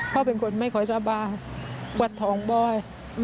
เขาเป็นคนไม่ค่อยสบายปวดท้องบ่อย